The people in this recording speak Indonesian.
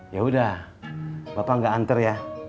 yaudah bapak nggak antar ya